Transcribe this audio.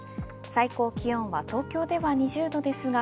最高気温は東京では２０度ですが